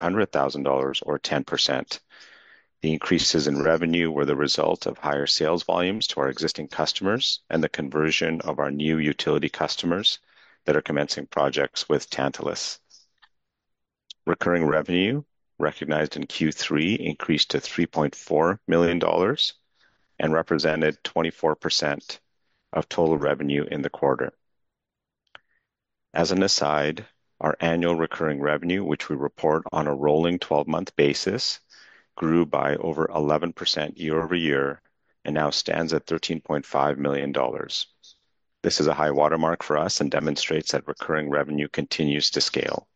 $100,000 or 10%. The increases in revenue were the result of higher sales volumes to our existing customers and the conversion of our new utility customers that are commencing projects with Tantalus. Recurring revenue, recognized in Q3, increased to $3.4 million and represented 24% of total revenue in the quarter. As an aside, our annual recurring revenue, which we report on a rolling 12-month basis, grew by over 11% year-over-year and now stands at $13.5 million. This is a high watermark for us and demonstrates that recurring revenue continues to scale.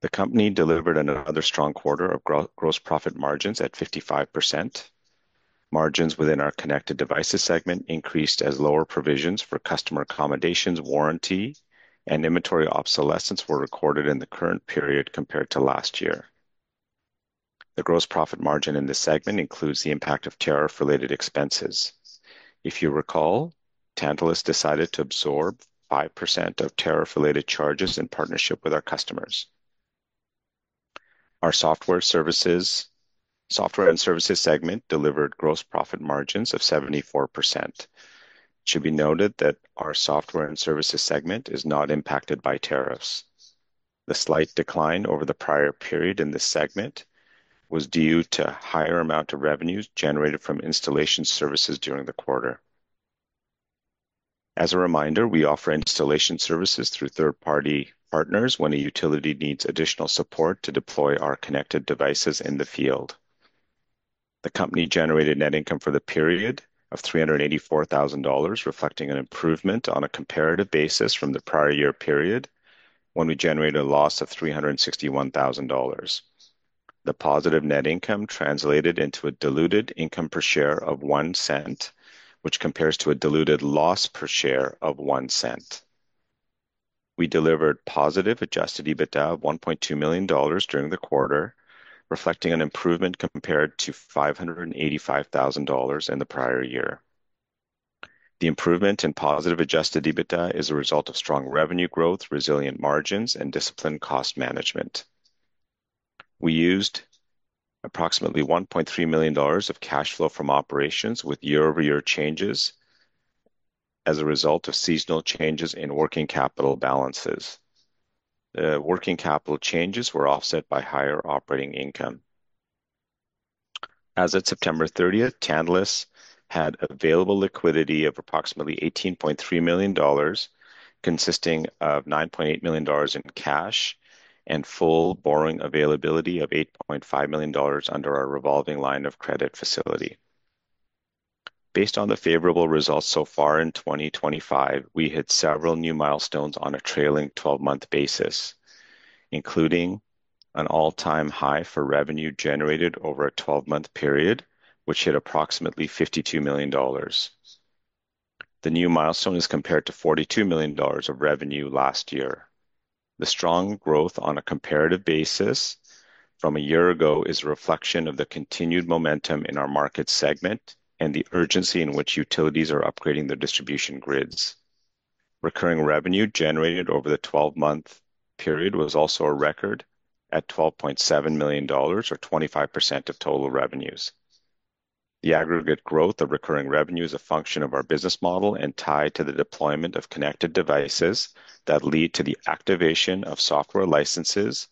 The company delivered another strong quarter of gross profit margins at 55%. Margins within our connected devices segment increased as lower provisions for customer accommodations, warranty, and inventory obsolescence were recorded in the current period compared to last year. The gross profit margin in this segment includes the impact of tariff-related expenses. If you recall, Tantalus decided to absorb 5% of tariff-related charges in partnership with our customers. Our software and services segment delivered gross profit margins of 74%. It should be noted that our software and services segment is not impacted by tariffs. The slight decline over the prior period in this segment was due to a higher amount of revenues generated from installation services during the quarter. As a reminder, we offer installation services through third-party partners when a utility needs additional support to deploy our connected devices in the field. The company generated net income for the period of $384,000, reflecting an improvement on a comparative basis from the prior year period when we generated a loss of $361,000. The positive net income translated into a diluted income per share of $0.01, which compares to a diluted loss per share of $0.01. We delivered positive Adjusted EBITDA of $1.2 million during the quarter, reflecting an improvement compared to $585,000 in the prior year. The improvement in positive Adjusted EBITDA is a result of strong revenue growth, resilient margins, and disciplined cost management. We used approximately $1.3 million of cash flow from operations with year-over-year changes as a result of seasonal changes in working capital balances. The working capital changes were offset by higher operating income. As of September 30th, Tantalus had available liquidity of approximately $18.3 million, consisting of $9.8 million in cash and full borrowing availability of $8.5 million under our revolving line of credit facility. Based on the favorable results so far in 2025, we hit several new milestones on a trailing 12-month basis, including an all-time high for revenue generated over a 12-month period, which hit approximately $52 million. The new milestone is compared to $42 million of revenue last year. The strong growth on a comparative basis from a year ago is a reflection of the continued momentum in our market segment and the urgency in which utilities are upgrading their distribution grids. Recurring revenue generated over the 12-month period was also a record at $12.7 million, or 25% of total revenues. The aggregate growth of recurring revenue is a function of our business model and tied to the deployment of connected devices that lead to the activation of software licenses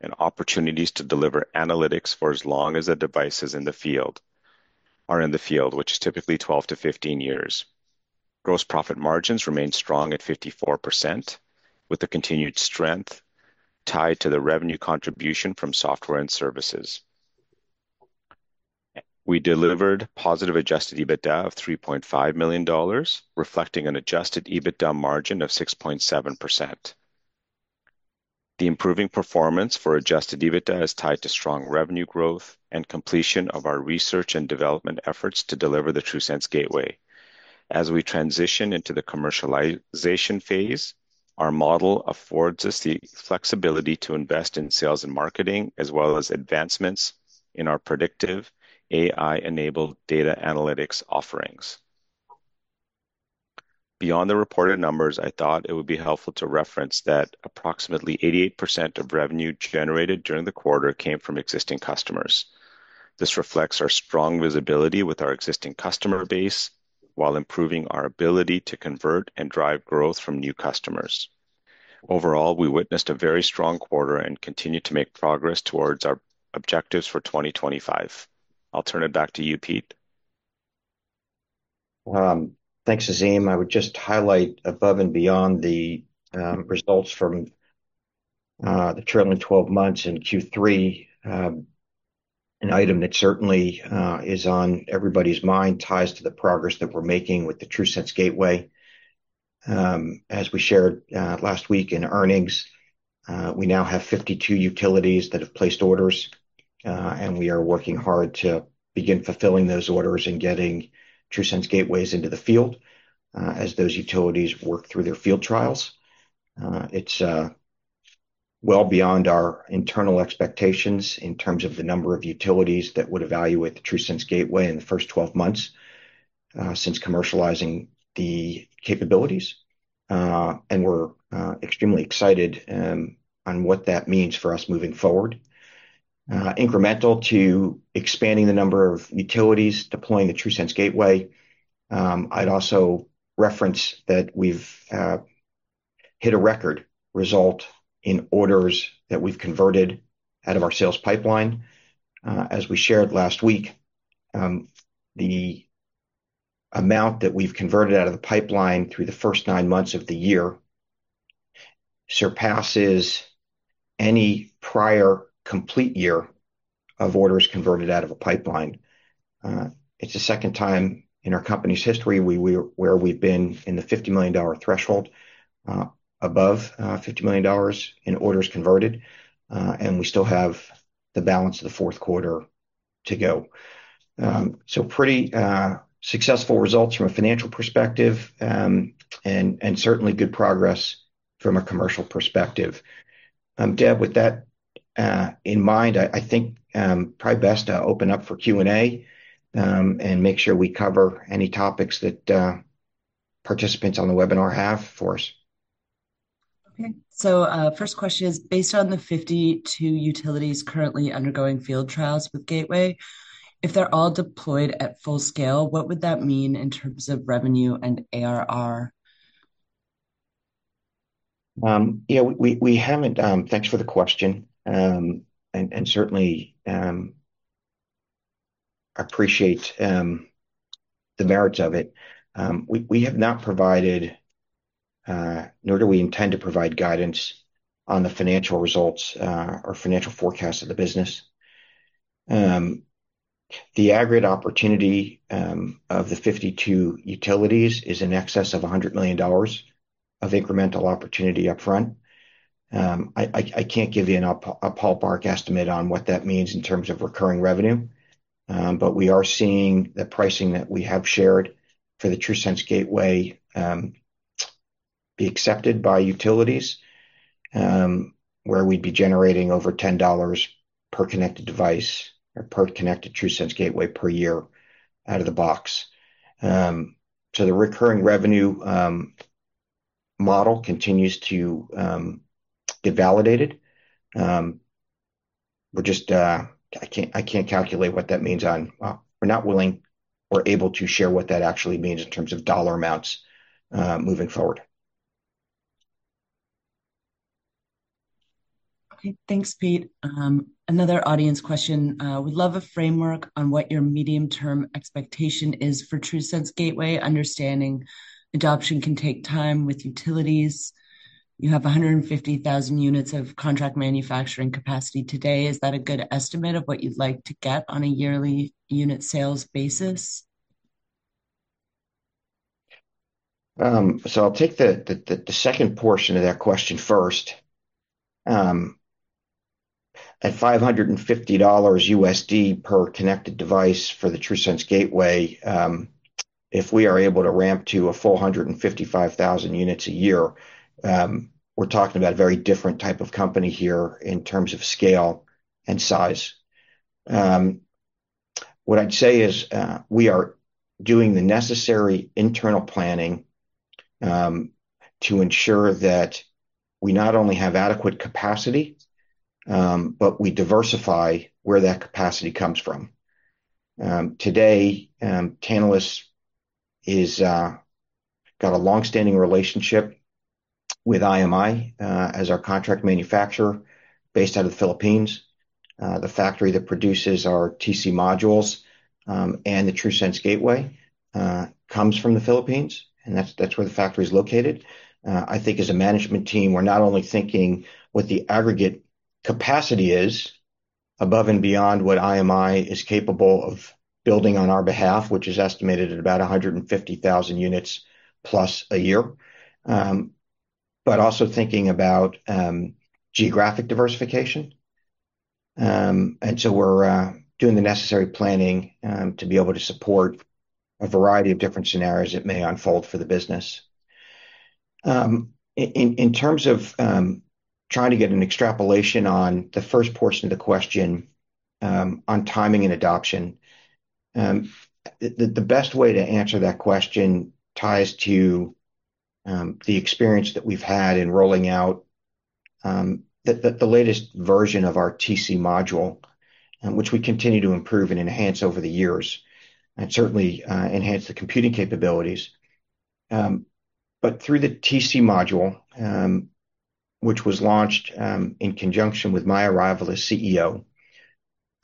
and opportunities to deliver analytics for as long as the device is in the field, which is typically 12 years-15 years. Gross profit margins remained strong at 54%, with the continued strength tied to the revenue contribution from software and services. We delivered positive Adjusted EBITDA of $3.5 million, reflecting an Adjusted EBITDA margin of 6.7%. The improving performance for Adjusted EBITDA is tied to strong revenue growth and completion of our research and development efforts to deliver the TRUSense Gateway. As we transition into the commercialization phase, our model affords us the flexibility to invest in sales and marketing, as well as advancements in our predictive AI-enabled data analytics offerings. Beyond the reported numbers, I thought it would be helpful to reference that approximately 88% of revenue generated during the quarter came from existing customers. This reflects our strong visibility with our existing customer base while improving our ability to convert and drive growth from new customers. Overall, we witnessed a very strong quarter and continue to make progress towards our objectives for 2025. I'll turn it back to you, Pete. Thanks, Azim. I would just highlight above and beyond the results from the trailing 12 months in Q3, an item that certainly is on everybody's mind, ties to the progress that we're making with the TRUSense Gateway. As we shared last week in earnings, we now have 52 utilities that have placed orders, and we are working hard to begin fulfilling those orders and getting TRUSense Gateways into the field as those utilities work through their field trials. It's well beyond our internal expectations in terms of the number of utilities that would evaluate the TRUSense Gateway in the first 12 months since commercializing the capabilities, and we're extremely excited on what that means for us moving forward. Incremental to expanding the number of utilities deploying the TRUSense Gateway, I'd also reference that we've hit a record result in orders that we've converted out of our sales pipeline. As we shared last week, the amount that we've converted out of the pipeline through the first nine months of the year surpasses any prior complete year of orders converted out of a pipeline. It's the second time in our company's history where we've been in the $50 million threshold, above $50 million in orders converted, and we still have the balance of the fourth quarter to go. Pretty successful results from a financial perspective and certainly good progress from a commercial perspective. Deb, with that in mind, I think probably best to open up for Q&A and make sure we cover any topics that participants on the webinar have for us. Okay. First question is, based on the 52 utilities currently undergoing field trials with Gateway, if they're all deployed at full scale, what would that mean in terms of revenue and ARR? Yeah, we haven't. Thanks for the question. I certainly appreciate the merits of it. We have not provided, nor do we intend to provide, guidance on the financial results or financial forecast of the business. The aggregate opportunity of the 52 utilities is in excess of $100 million of incremental opportunity upfront. I can't give you an appalled-mark estimate on what that means in terms of recurring revenue, but we are seeing the pricing that we have shared for the TRUSense Gateway be accepted by utilities, where we'd be generating over $10 per connected device or per connected TRUSense Gateway per year out of the box. The recurring revenue model continues to get validated. I just—I can't calculate what that means on—well, we're not willing or able to share what that actually means in terms of dollar amounts moving forward. Okay. Thanks, Pete. Another audience question. We'd love a framework on what your medium-term expectation is for TRUSense Gateway, understanding adoption can take time with utilities. You have 150,000 units of contract manufacturing capacity today. Is that a good estimate of what you'd like to get on a yearly unit sales basis? I'll take the second portion of that question first. At $550 per connected device for the TRUSense Gateway, if we are able to ramp to a full 155,000 units a year, we're talking about a very different type of company here in terms of scale and size. What I'd say is we are doing the necessary internal planning to ensure that we not only have adequate capacity, but we diversify where that capacity comes from. Today, Tantalus has got a long-standing relationship with IMI as our contract manufacturer based out of the Philippines. The factory that produces our TC modules and the TRUSense Gateway comes from the Philippines, and that's where the factory is located. I think as a management team, we're not only thinking what the aggregate capacity is above and beyond what IMI is capable of building on our behalf, which is estimated at about 150,000 units plus a year, but also thinking about geographic diversification. We are doing the necessary planning to be able to support a variety of different scenarios that may unfold for the business. In terms of trying to get an extrapolation on the first portion of the question on timing and adoption, the best way to answer that question ties to the experience that we've had in rolling out the latest version of our TC module, which we continue to improve and enhance over the years and certainly enhance the computing capabilities. Through the TC module, which was launched in conjunction with my arrival as CEO,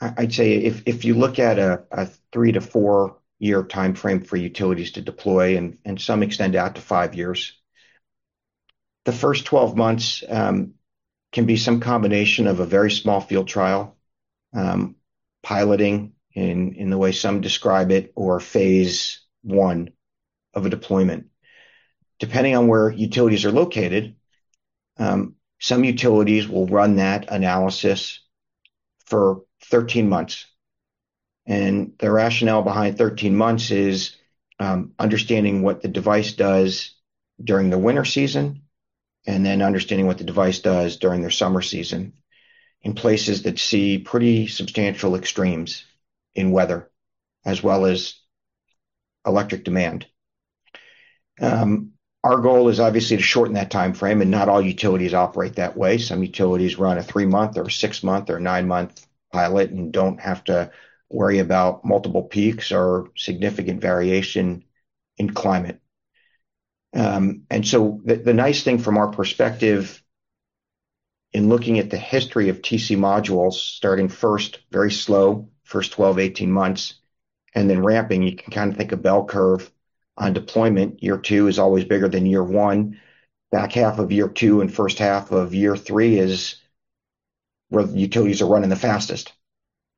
I'd say if you look at a three- to four-year timeframe for utilities to deploy and some extend out to five years, the first 12 months can be some combination of a very small field trial, piloting in the way some describe it, or phase one of a deployment. Depending on where utilities are located, some utilities will run that analysis for 13 months. The rationale behind 13 months is understanding what the device does during the winter season and then understanding what the device does during the summer season in places that see pretty substantial extremes in weather, as well as electric demand. Our goal is obviously to shorten that timeframe, and not all utilities operate that way. Some utilities run a three-month or six-month or nine-month pilot and do not have to worry about multiple peaks or significant variation in climate. The nice thing from our perspective in looking at the history of TC modules, starting first very slow, first 12, 18 months, and then ramping, you can kind of think of bell curve on deployment. Year two is always bigger than year one. Back half of year two and first half of year three is where the utilities are running the fastest.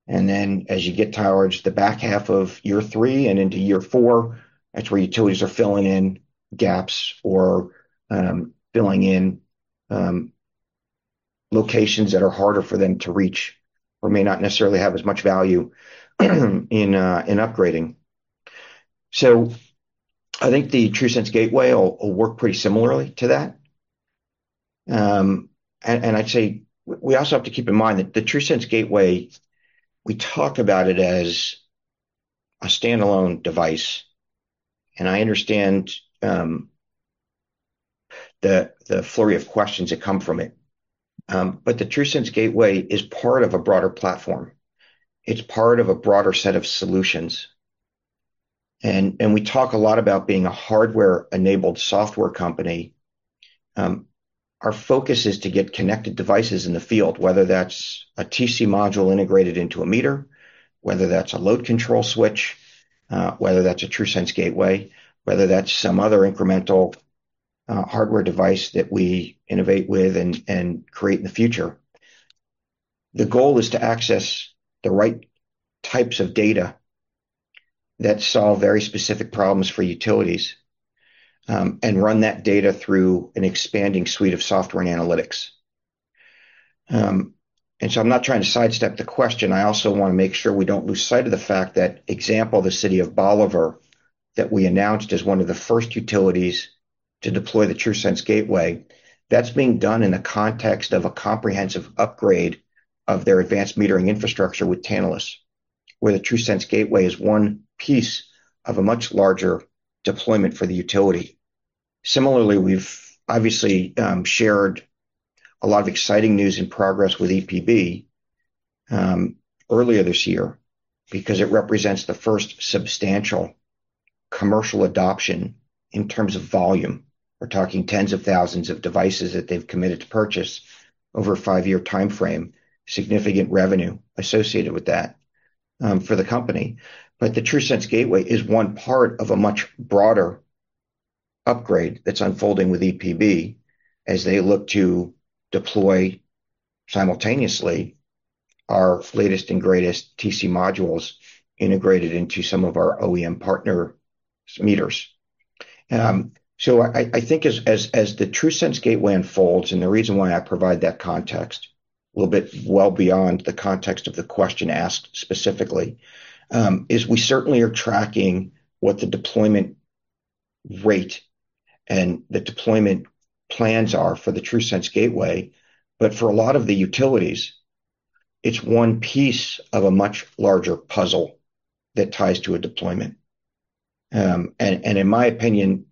As you get towards the back half of year three and into year four, that is where utilities are filling in gaps or filling in locations that are harder for them to reach or may not necessarily have as much value in upgrading. I think the TRUSense Gateway will work pretty similarly to that. I’d say we also have to keep in mind that the TRUSense Gateway, we talk about it as a standalone device, and I understand the flurry of questions that come from it. The TRUSense Gateway is part of a broader platform. It’s part of a broader set of solutions. We talk a lot about being a hardware-enabled software company. Our focus is to get connected devices in the field, whether that’s a TC module integrated into a meter, whether that’s a load control switch, whether that’s a TRUSense Gateway, whether that’s some other incremental hardware device that we innovate with and create in the future. The goal is to access the right types of data that solve very specific problems for utilities and run that data through an expanding suite of software and analytics. I’m not trying to sidestep the question. I also want to make sure we don't lose sight of the fact that, example, the city of Bolivar that we announced as one of the first utilities to deploy the TRUSense Gateway, that's being done in the context of a comprehensive upgrade of their advanced metering infrastructure with Tantalus, where the TRUSense Gateway is one piece of a much larger deployment for the utility. Similarly, we've obviously shared a lot of exciting news and progress with EPB earlier this year because it represents the first substantial commercial adoption in terms of volume. We're talking tens of thousands of devices that they've committed to purchase over a five-year timeframe, significant revenue associated with that for the company. The TRUSense Gateway is one part of a much broader upgrade that's unfolding with EPB as they look to deploy simultaneously our latest and greatest TC modules integrated into some of our OEM partner meters. I think as the TRUSense Gateway unfolds, and the reason why I provide that context a little bit well beyond the context of the question asked specifically, is we certainly are tracking what the deployment rate and the deployment plans are for the TRUSense Gateway. For a lot of the utilities, it's one piece of a much larger puzzle that ties to a deployment. In my opinion,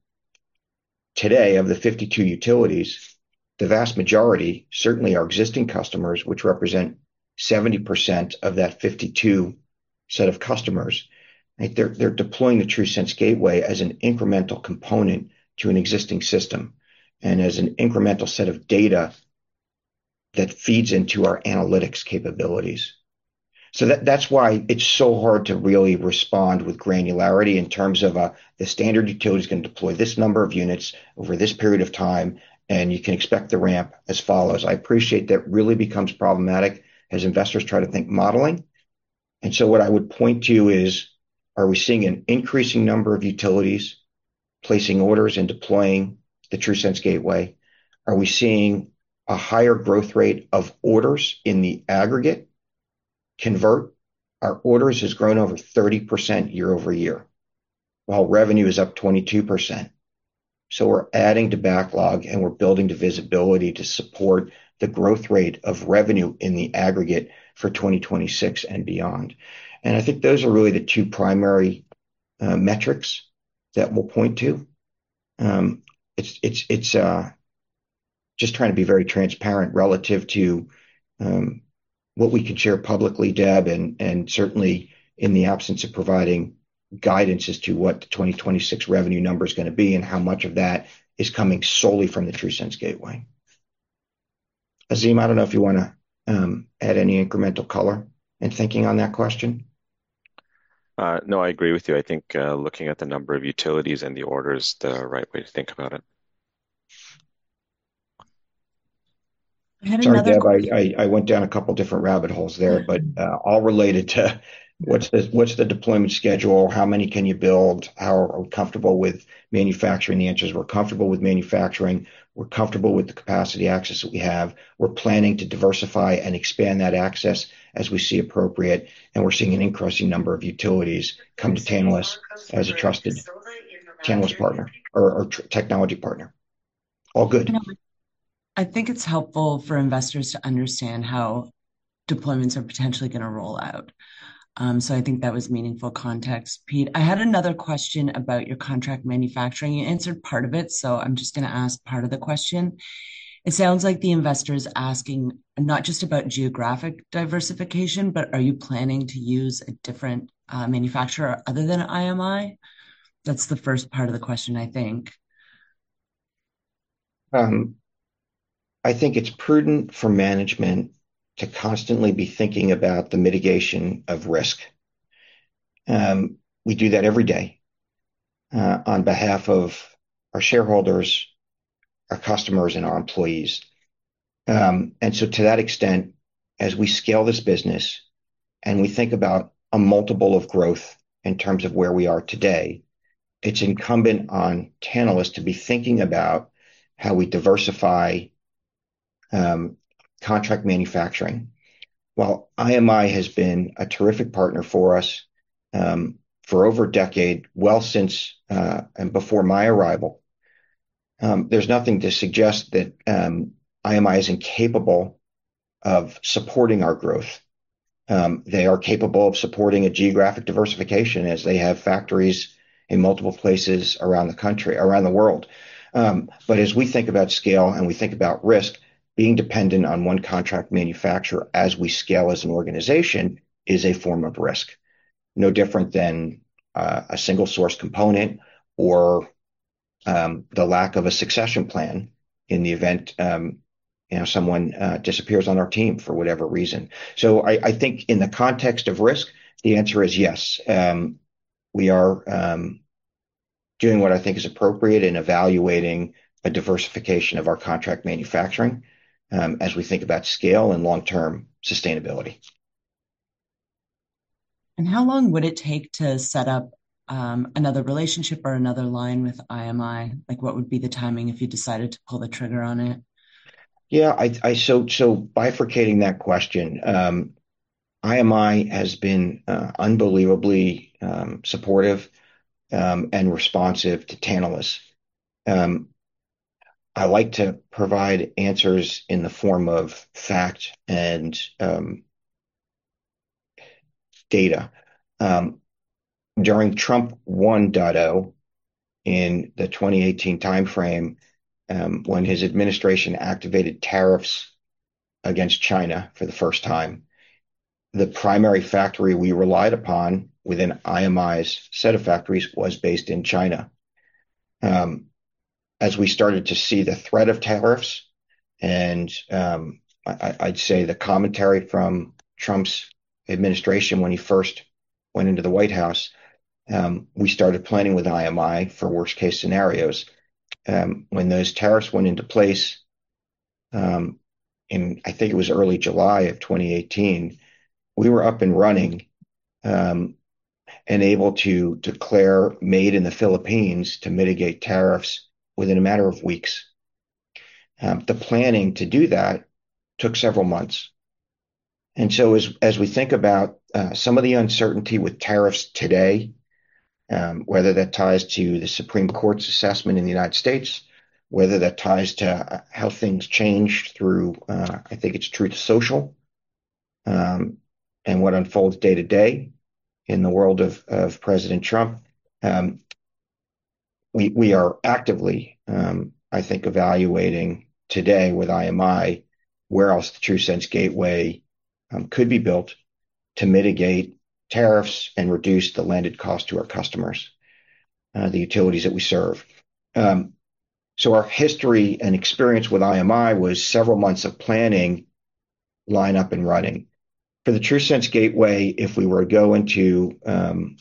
today, of the 52 utilities, the vast majority certainly are existing customers, which represent 70% of that 52 set of customers. They're deploying the TRUSense Gateway as an incremental component to an existing system and as an incremental set of data that feeds into our analytics capabilities. That's why it's so hard to really respond with granularity in terms of the standard utility is going to deploy this number of units over this period of time, and you can expect the ramp as follows. I appreciate that really becomes problematic as investors try to think modeling. What I would point to is, are we seeing an increasing number of utilities placing orders and deploying the TRUSense Gateway? Are we seeing a higher growth rate of orders in the aggregate? Our orders have grown over 30% year-over-year, while revenue is up 22%. We're adding to backlog, and we're building to visibility to support the growth rate of revenue in the aggregate for 2026 and beyond. I think those are really the two primary metrics that we'll point to. It's just trying to be very transparent relative to what we can share publicly, Deb, and certainly in the absence of providing guidances to what the 2026 revenue number is going to be and how much of that is coming solely from the TRUSense Gateway. Azim, I don't know if you want to add any incremental color in thinking on that question. No, I agree with you. I think looking at the number of utilities and the orders is the right way to think about it. I had another question. I went down a couple of different rabbit holes there, but all related to what's the deployment schedule? How many can you build? How comfortable with manufacturing? The answer is we're comfortable with manufacturing. We're comfortable with the capacity access that we have. We're planning to diversify and expand that access as we see appropriate, and we're seeing an increasing number of utilities come to Tantalus as a trusted Tantalus partner or technology partner. All good. I think it's helpful for investors to understand how deployments are potentially going to roll out. I think that was meaningful context. Pete, I had another question about your contract manufacturing. You answered part of it, so I'm just going to ask part of the question. It sounds like the investor is asking not just about geographic diversification, but are you planning to use a different manufacturer other than IMI? That's the first part of the question, I think. I think it's prudent for management to constantly be thinking about the mitigation of risk. We do that every day on behalf of our shareholders, our customers, and our employees. To that extent, as we scale this business and we think about a multiple of growth in terms of where we are today, it's incumbent on Tantalus to be thinking about how we diversify contract manufacturing. IMI has been a terrific partner for us for over a decade, since and before my arrival. There's nothing to suggest that IMI is incapable of supporting our growth. They are capable of supporting a geographic diversification as they have factories in multiple places around the country, around the world. As we think about scale and we think about risk, being dependent on one contract manufacturer as we scale as an organization is a form of risk, no different than a single-source component or the lack of a succession plan in the event someone disappears on our team for whatever reason. I think in the context of risk, the answer is yes. We are doing what I think is appropriate in evaluating a diversification of our contract manufacturing as we think about scale and long-term sustainability. How long would it take to set up another relationship or another line with IMI? What would be the timing if you decided to pull the trigger on it? Yeah. Bifurcating that question, IMI has been unbelievably supportive and responsive to Tantalus. I like to provide answers in the form of fact and data. During Trump 1.0 in the 2018 timeframe, when his administration activated tariffs against China for the first time, the primary factory we relied upon within IMI's set of factories was based in China. As we started to see the threat of tariffs and I'd say the commentary from Trump's administration when he first went into the White House, we started planning with IMI for worst-case scenarios. When those tariffs went into place, and I think it was early July of 2018, we were up and running and able to declare made in the Philippines to mitigate tariffs within a matter of weeks. The planning to do that took several months. As we think about some of the uncertainty with tariffs today, whether that ties to the Supreme Court's assessment in the United States, whether that ties to how things changed through, I think it's true to social and what unfolds day to day in the world of President Trump, we are actively, I think, evaluating today with IMI where else the TRUSense Gateway could be built to mitigate tariffs and reduce the landed cost to our customers, the utilities that we serve. Our history and experience with IMI was several months of planning, lineup, and running. For the TRUSense Gateway, if we were to go into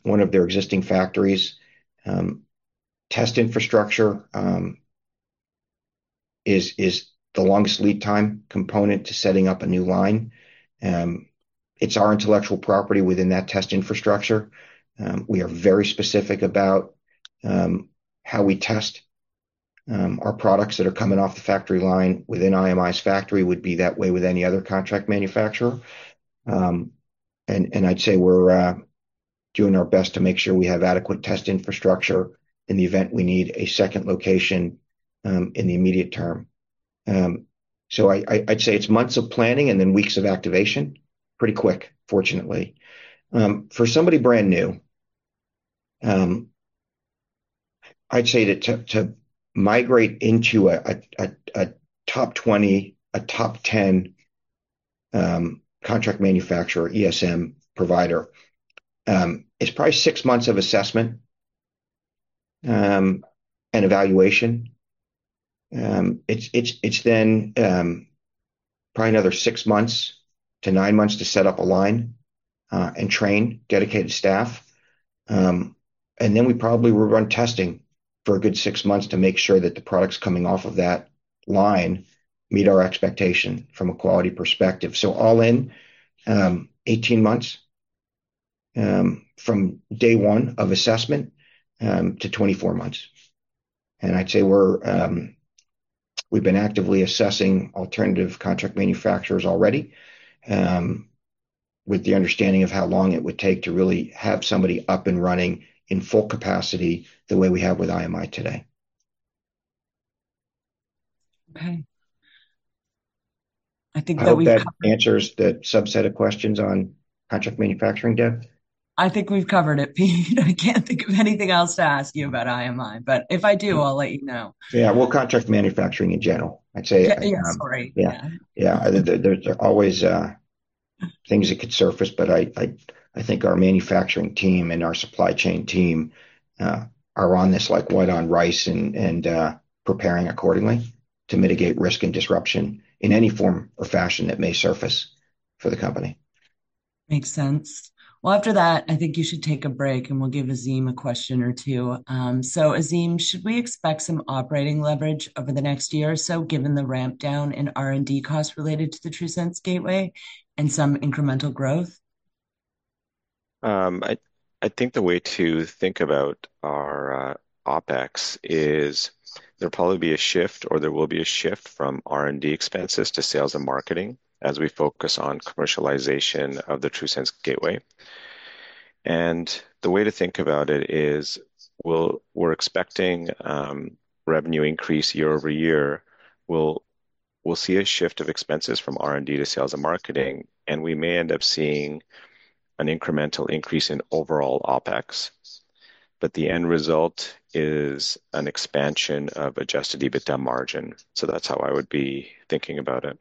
one of their existing factories, test infrastructure is the longest lead time component to setting up a new line. It's our intellectual property within that test infrastructure. We are very specific about how we test our products that are coming off the factory line within IMI's factory. It would be that way with any other contract manufacturer. I'd say we're doing our best to make sure we have adequate test infrastructure in the event we need a second location in the immediate term. I'd say it's months of planning and then weeks of activation, pretty quick, fortunately. For somebody brand new, I'd say to migrate into a top 20, a top 10 contract manufacturer, ESM provider, it's probably six months of assessment and evaluation. It's then probably another six months to nine months to set up a line and train dedicated staff. We probably will run testing for a good six months to make sure that the products coming off of that line meet our expectation from a quality perspective. All in, 18 months from day one of assessment to 24 months. I'd say we've been actively assessing alternative contract manufacturers already with the understanding of how long it would take to really have somebody up and running in full capacity the way we have with IMI today. Okay. I think that we've covered. Are those answers that subset of questions on contract manufacturing, Deb? I think we've covered it. I can't think of anything else to ask you about IMI, but if I do, I'll let you know. Yeah. Contract manufacturing in general, I'd say. Yeah. Sorry. Yeah. Yeah. There's always things that could surface, but I think our manufacturing team and our supply chain team are on this like wet on rice and preparing accordingly to mitigate risk and disruption in any form or fashion that may surface for the company. Makes sense. After that, I think you should take a break, and we'll give Azim a question or two. So Azim, should we expect some operating leverage over the next year or so given the ramp down in R&D costs related to the TRUSense Gateway and some incremental growth? I think the way to think about our OpEx is there'll probably be a shift or there will be a shift from R&D expenses to sales and marketing as we focus on commercialization of the TRUSense Gateway. The way to think about it is we're expecting revenue increase year-over-year. We'll see a shift of expenses from R&D to sales and marketing, and we may end up seeing an incremental increase in overall OpEx. The end result is an expansion of Adjusted EBITDA margin. That's how I would be thinking about it.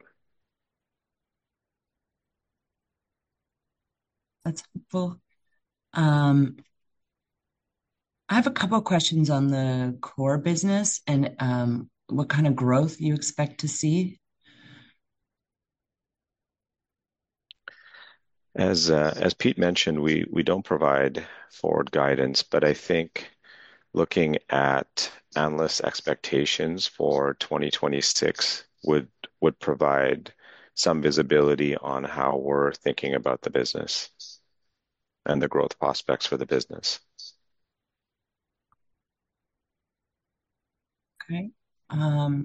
That's helpful. I have a couple of questions on the core business and what kind of growth you expect to see. As Pete mentioned, we don't provide forward guidance, but I think looking at analyst expectations for 2026 would provide some visibility on how we're thinking about the business and the growth prospects for the business. Okay. A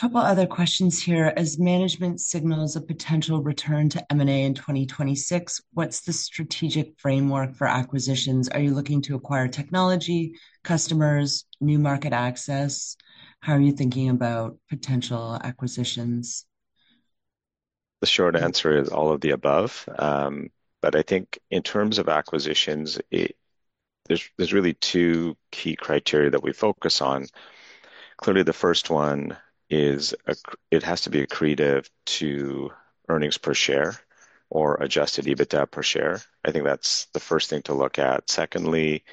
couple of other questions here. As management signals a potential return to M&A in 2026, what's the strategic framework for acquisitions? Are you looking to acquire technology, customers, new market access? How are you thinking about potential acquisitions? The short answer is all of the above. I think in terms of acquisitions, there's really two key criteria that we focus on. Clearly, the first one is it has to be accretive to earnings per share or Adjusted EBITDA per share. I think that's the first thing to look at. Secondly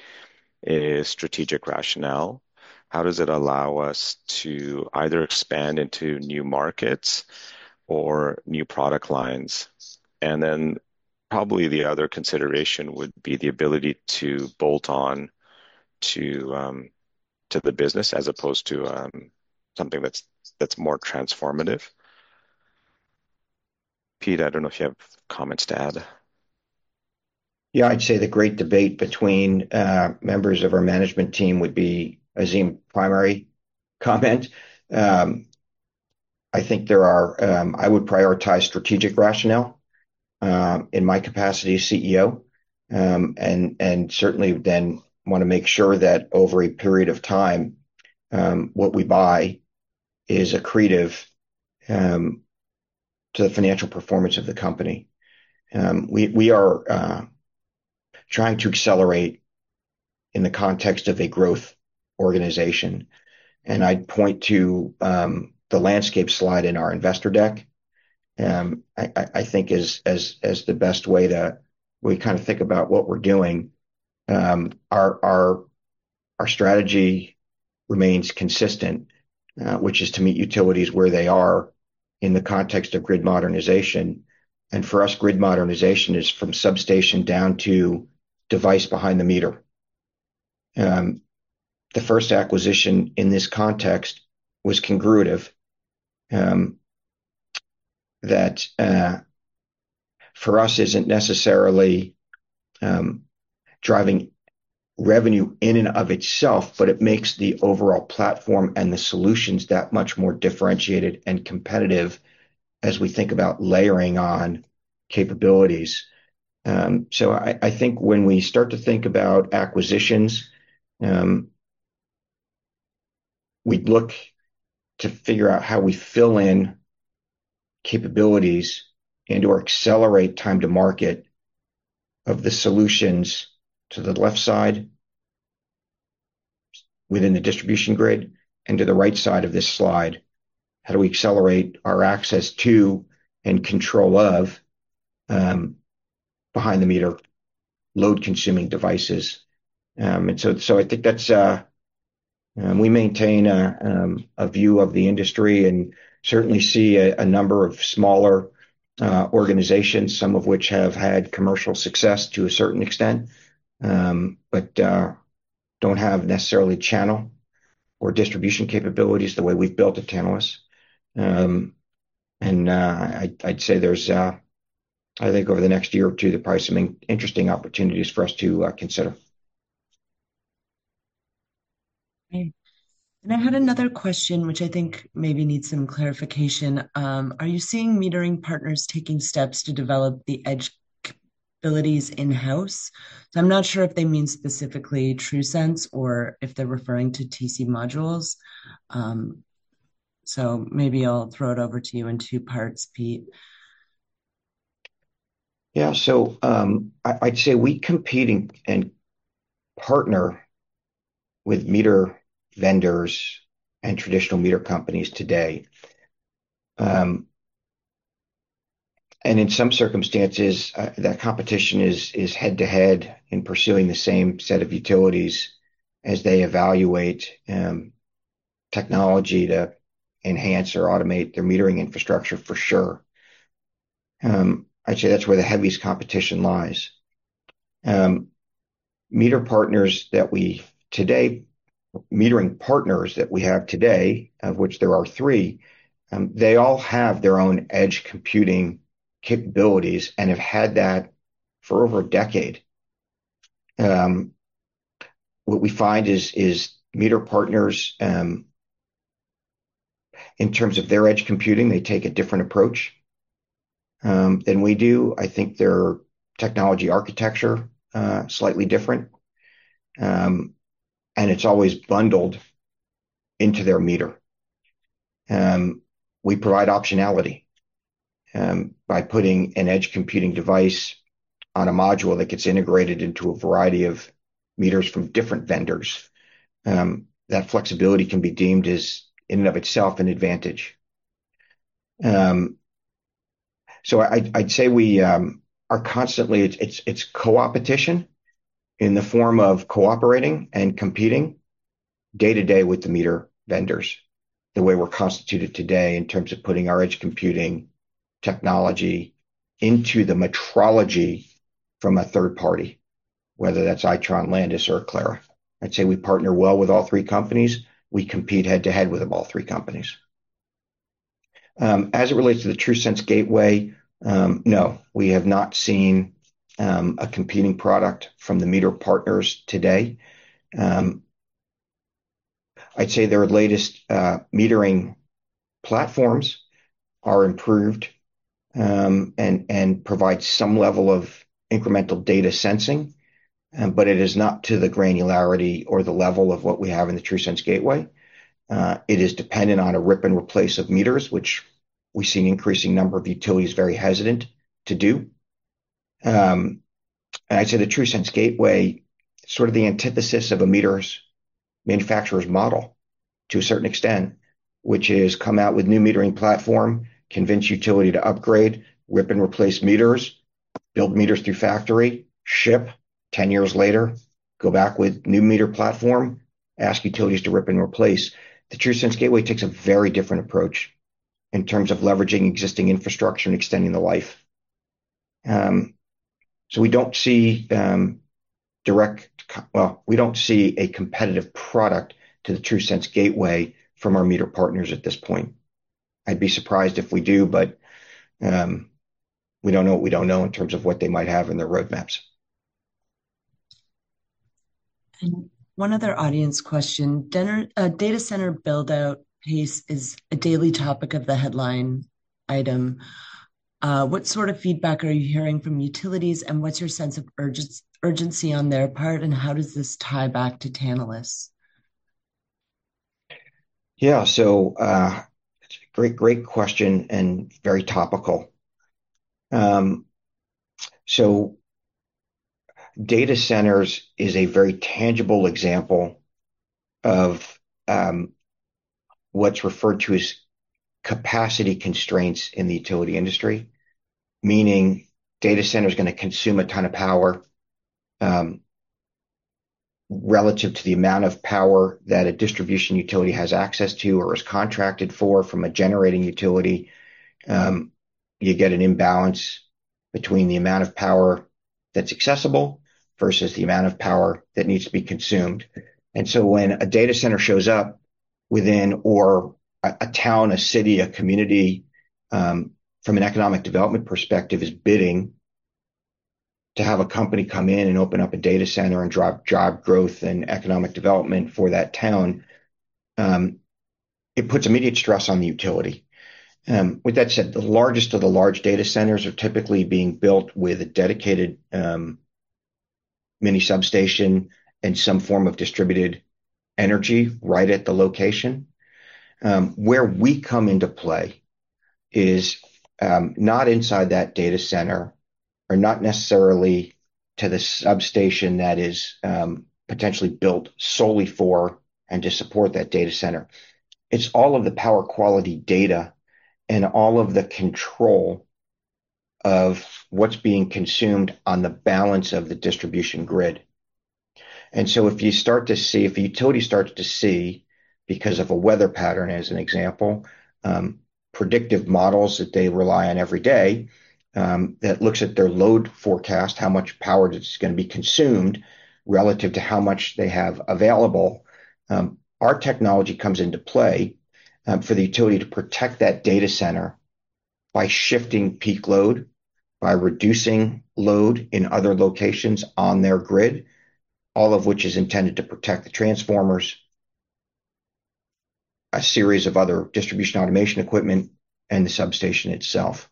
is strategic rationale. How does it allow us to either expand into new markets or new product lines? Probably the other consideration would be the ability to bolt on to the business as opposed to something that's more transformative. Pete, I don't know if you have comments to add. Yeah. I'd say the great debate between members of our management team would be Azim's primary comment. I think I would prioritize strategic rationale in my capacity as CEO and certainly then want to make sure that over a period of time, what we buy is accretive to the financial performance of the company. We are trying to accelerate in the context of a growth organization. I would point to the landscape slide in our investor deck, I think, as the best way to really kind of think about what we're doing. Our strategy remains consistent, which is to meet utilities where they are in the context of grid modernization. For us, grid modernization is from substation down to device behind the meter. The first acquisition in this context was Congruitive that for us isn't necessarily driving revenue in and of itself, but it makes the overall platform and the solutions that much more differentiated and competitive as we think about layering on capabilities. I think when we start to think about acquisitions, we'd look to figure out how we fill in capabilities and/or accelerate time to market of the solutions to the left side within the distribution grid and to the right side of this slide. How do we accelerate our access to and control of behind-the-meter load-consuming devices? I think that's we maintain a view of the industry and certainly see a number of smaller organizations, some of which have had commercial success to a certain extent, but don't have necessarily channel or distribution capabilities the way we've built at Tantalus. I'd say there's, I think, over the next year or two, the price of interesting opportunities for us to consider. Okay. I had another question, which I think maybe needs some clarification. Are you seeing metering partners taking steps to develop the edge capabilities in-house? I am not sure if they mean specifically TRUSense or if they are referring to TC modules. Maybe I will throw it over to you in two parts, Pete. Yeah. I'd say we compete and partner with meter vendors and traditional meter companies today. In some circumstances, that competition is head-to-head in pursuing the same set of utilities as they evaluate technology to enhance or automate their metering infrastructure for sure. I'd say that's where the heaviest competition lies. Meter partners that we have today, of which there are three, they all have their own edge computing capabilities and have had that for over a decade. What we find is meter partners, in terms of their edge computing, take a different approach than we do. I think their technology architecture is slightly different, and it's always bundled into their meter. We provide optionality by putting an edge computing device on a module that gets integrated into a variety of meters from different vendors. That flexibility can be deemed as in and of itself an advantage. I'd say we are constantly, it's coopetition in the form of cooperating and competing day-to-day with the meter vendors the way we're constituted today in terms of putting our edge computing technology into the metrology from a third party, whether that's Itron, Landis+Gyr, or Aclara. I'd say we partner well with all three companies. We compete head-to-head with them, all three companies. As it relates to the TRUSense Gateway, no, we have not seen a competing product from the meter partners today. I'd say their latest metering platforms are improved and provide some level of incremental data sensing, but it is not to the granularity or the level of what we have in the TRUSense Gateway. It is dependent on a rip and replace of meters, which we see an increasing number of utilities very hesitant to do. I'd say the TRUSense Gateway is sort of the antithesis of a meter manufacturer's model to a certain extent, which is come out with a new metering platform, convince utility to upgrade, rip and replace meters, build meters through factory, ship, 10 years later, go back with a new meter platform, ask utilities to rip and replace. The TRUSense Gateway takes a very different approach in terms of leveraging existing infrastructure and extending the life. We don't see direct, well, we don't see a competitive product to the TRUSense Gateway from our meter partners at this point. I'd be surprised if we do, but we don't know what we don't know in terms of what they might have in their roadmaps. One other audience question. Data center build-out pace is a daily topic of the headline item. What sort of feedback are you hearing from utilities, and what's your sense of urgency on their part, and how does this tie back to Tantalus? Yeah. It's a great, great question and very topical. Data centers is a very tangible example of what's referred to as capacity constraints in the utility industry, meaning data centers are going to consume a ton of power relative to the amount of power that a distribution utility has access to or is contracted for from a generating utility. You get an imbalance between the amount of power that's accessible versus the amount of power that needs to be consumed. When a data center shows up within or a town, a city, a community from an economic development perspective is bidding to have a company come in and open up a data center and drive growth and economic development for that town, it puts immediate stress on the utility. With that said, the largest of the large data centers are typically being built with a dedicated mini substation and some form of distributed energy right at the location. Where we come into play is not inside that data center or not necessarily to the substation that is potentially built solely for and to support that data center. It is all of the power quality data and all of the control of what is being consumed on the balance of the distribution grid. If you start to see, if a utility starts to see, because of a weather pattern as an example, predictive models that they rely on every day that looks at their load forecast, how much power is going to be consumed relative to how much they have available, our technology comes into play for the utility to protect that data center by shifting peak load, by reducing load in other locations on their grid, all of which is intended to protect the transformers, a series of other distribution automation equipment, and the substation itself.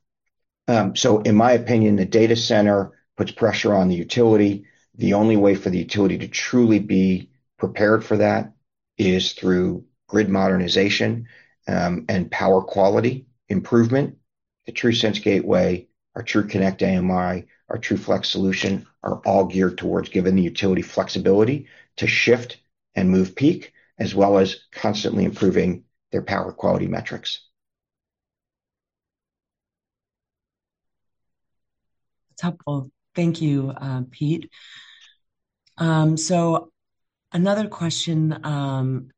In my opinion, the data center puts pressure on the utility. The only way for the utility to truly be prepared for that is through grid modernization and power quality improvement. The TRUSense Gateway, our TRUConnect AMI, our TRUFlex solution are all geared towards giving the utility flexibility to shift and move peak as well as constantly improving their power quality metrics. That's helpful. Thank you, Pete. Another question.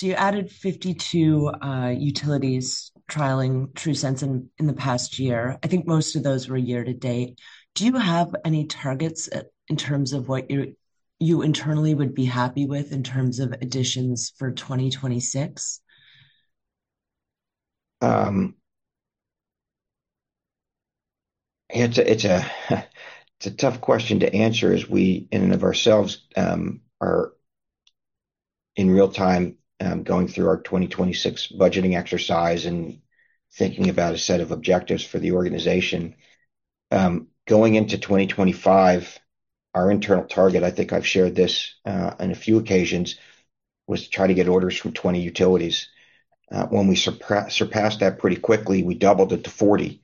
You added 52 utilities trialing TRUSense in the past year. I think most of those were year-to-date. Do you have any targets in terms of what you internally would be happy with in terms of additions for 2026? It's a tough question to answer as we, in and of ourselves, are in real time going through our 2026 budgeting exercise and thinking about a set of objectives for the organization. Going into 2025, our internal target—I think I've shared this on a few occasions—was to try to get orders from 20 utilities. When we surpassed that pretty quickly, we doubled it to 40.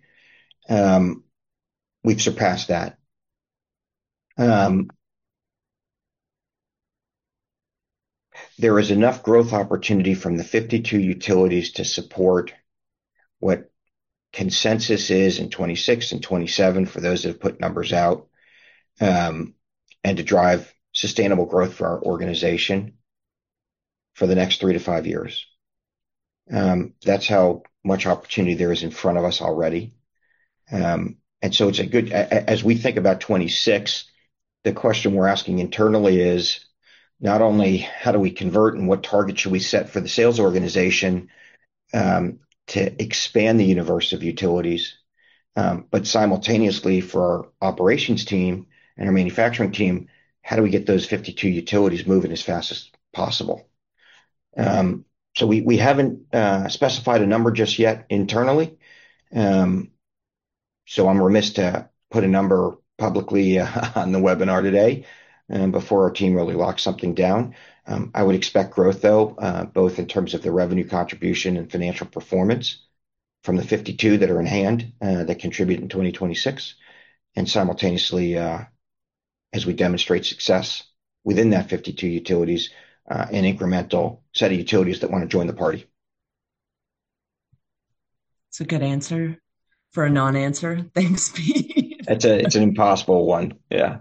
We've surpassed that. There is enough growth opportunity from the 52 utilities to support what consensus is in 2026 and 2027 for those that have put numbers out and to drive sustainable growth for our organization for the next three to five years. That's how much opportunity there is in front of us already. It is a good—as we think about 2026, the question we are asking internally is not only how do we convert and what targets should we set for the sales organization to expand the universe of utilities, but simultaneously for our operations team and our manufacturing team, how do we get those 52 utilities moving as fast as possible? We have not specified a number just yet internally. I am remiss to put a number publicly on the webinar today before our team really locks something down. I would expect growth, though, both in terms of the revenue contribution and financial performance from the 52 that are in hand that contribute in 2026, and simultaneously, as we demonstrate success within that 52 utilities and incremental set of utilities that want to join the party. That's a good answer for a non-answer. Thanks, Pete. It's an impossible one. Yeah.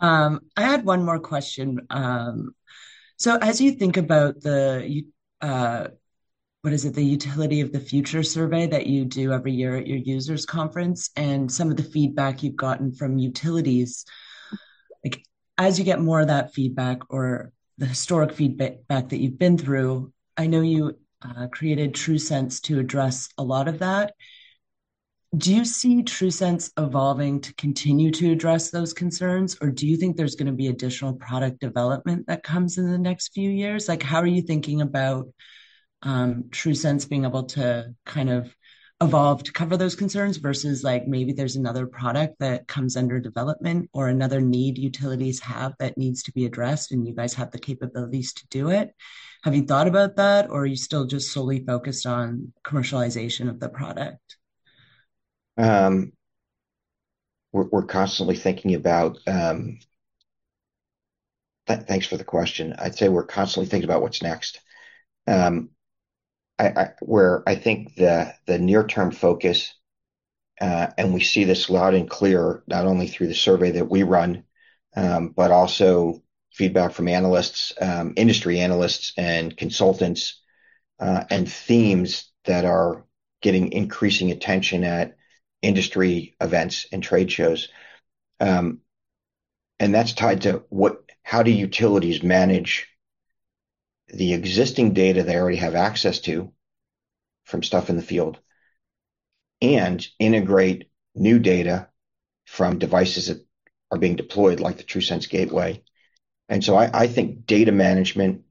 I had one more question. As you think about the—what is it?—the Utility of the Future survey that you do every year at your users' conference and some of the feedback you've gotten from utilities, as you get more of that feedback or the historic feedback that you've been through, I know you created TRUSense to address a lot of that. Do you see TRUSense evolving to continue to address those concerns, or do you think there's going to be additional product development that comes in the next few years? How are you thinking about TRUSense being able to kind of evolve to cover those concerns versus maybe there's another product that comes under development or another need utilities have that needs to be addressed and you guys have the capabilities to do it? Have you thought about that, or are you still just solely focused on commercialization of the product? We're constantly thinking about—thanks for the question. I'd say we're constantly thinking about what's next, where I think the near-term focus—and we see this loud and clear not only through the survey that we run, but also feedback from industry analysts and consultants and themes that are getting increasing attention at industry events and trade shows. That is tied to how do utilities manage the existing data they already have access to from stuff in the field and integrate new data from devices that are being deployed like the TRUSense Gateway. I think data management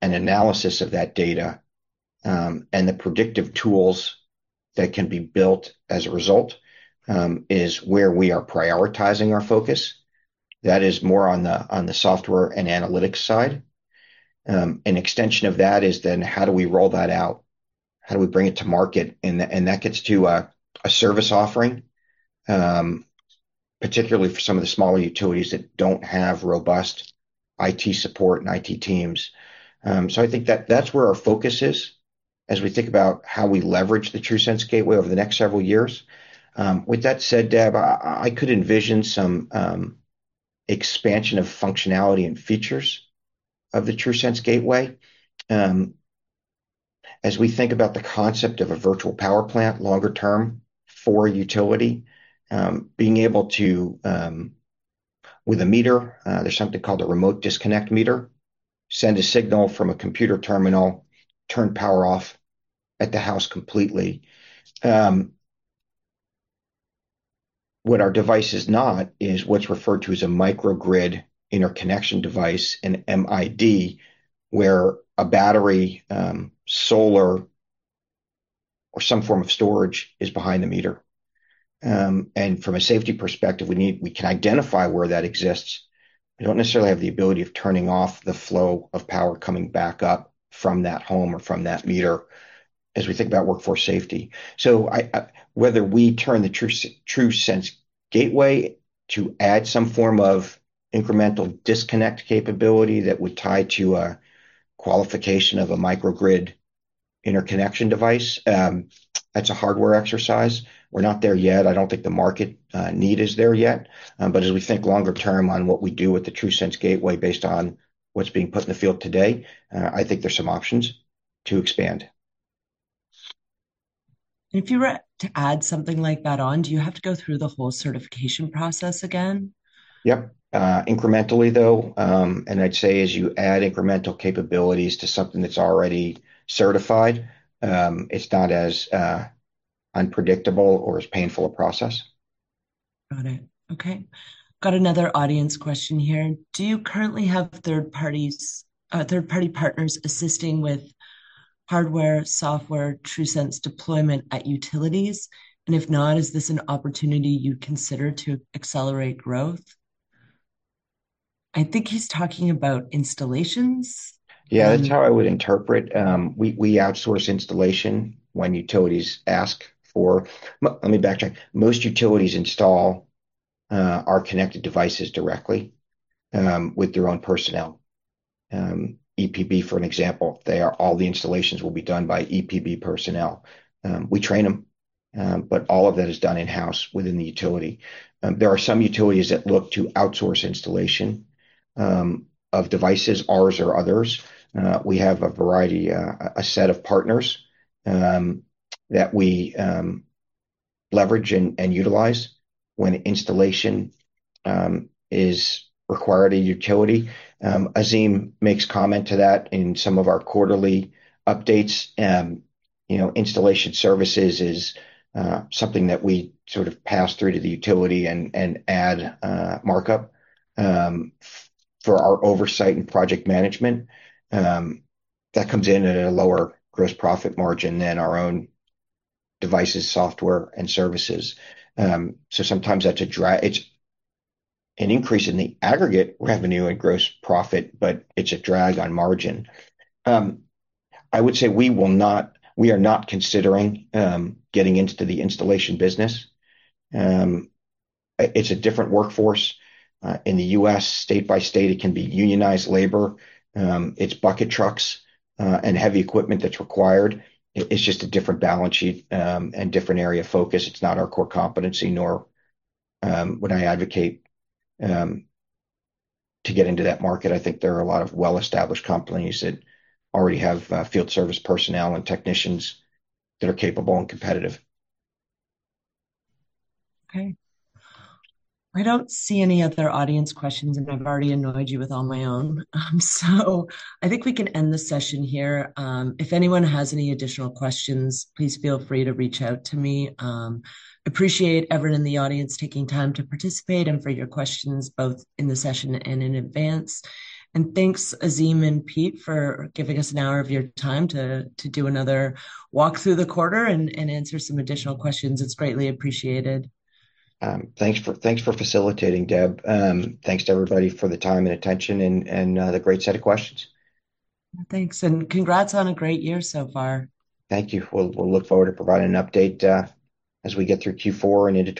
and analysis of that data and the predictive tools that can be built as a result is where we are prioritizing our focus. That is more on the software and analytics side. An extension of that is then how do we roll that out? How do we bring it to market? That gets to a service offering, particularly for some of the smaller utilities that do not have robust IT support and IT teams. I think that is where our focus is as we think about how we leverage the TRUSense Gateway over the next several years. With that said, Deb, I could envision some expansion of functionality and features of the TRUSense Gateway as we think about the concept of a virtual power plant longer term for utility. Being able to, with a meter, there is something called a remote disconnect meter, send a signal from a computer terminal, turn power off at the house completely. What our device is not is what is referred to as a microgrid interconnection device, an MID, where a battery, solar, or some form of storage is behind the meter. From a safety perspective, we can identify where that exists. We don't necessarily have the ability of turning off the flow of power coming back up from that home or from that meter as we think about workforce safety. Whether we turn the TRUSense Gateway to add some form of incremental disconnect capability that would tie to a qualification of a microgrid interconnection device, that's a hardware exercise. We're not there yet. I don't think the market need is there yet. As we think longer term on what we do with the TRUSense Gateway based on what's being put in the field today, I think there's some options to expand. If you were to add something like that on, do you have to go through the whole certification process again? Yep. Incrementally, though. I'd say as you add incremental capabilities to something that's already certified, it's not as unpredictable or as painful a process. Got it. Okay. Got another audience question here. Do you currently have third-party partners assisting with hardware, software, TRUSense deployment at utilities? If not, is this an opportunity you'd consider to accelerate growth? I think he's talking about installations. Yeah. That's how I would interpret. We outsource installation when utilities ask for—let me backtrack. Most utilities install our connected devices directly with their own personnel. EPB, for an example, all the installations will be done by EPB personnel. We train them, but all of that is done in-house within the utility. There are some utilities that look to outsource installation of devices, ours or others. We have a variety, a set of partners that we leverage and utilize when installation is required at a utility. Azim makes comment to that in some of our quarterly updates. Installation services is something that we sort of pass through to the utility and add markup for our oversight and project management. That comes in at a lower gross profit margin than our own devices, software, and services. Sometimes that's a drag. It's an increase in the aggregate revenue and gross profit, but it's a drag on margin. I would say we are not considering getting into the installation business. It's a different workforce in the U.S. State by state, it can be unionized labor. It's bucket trucks and heavy equipment that's required. It's just a different balance sheet and different area of focus. It's not our core competency, nor would I advocate to get into that market. I think there are a lot of well-established companies that already have field service personnel and technicians that are capable and competitive. Okay. I do not see any other audience questions, and I have already annoyed you with all my own. I think we can end the session here. If anyone has any additional questions, please feel free to reach out to me. I appreciate everyone in the audience taking time to participate and for your questions both in the session and in advance. Thanks, Azim and Pete, for giving us an hour of your time to do another walk through the quarter and answer some additional questions. It is greatly appreciated. Thanks for facilitating, Deb. Thanks to everybody for the time and attention and the great set of questions. Thanks. Congrats on a great year so far. Thank you. We'll look forward to providing an update as we get through Q4 and into.